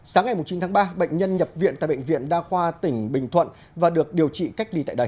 sáng ngày chín tháng ba bệnh nhân nhập viện tại bệnh viện đa khoa tỉnh bình thuận và được điều trị cách ly tại đây